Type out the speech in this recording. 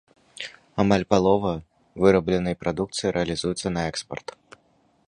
Амаль палова вырабленай прадукцыі рэалізуецца на экспарт.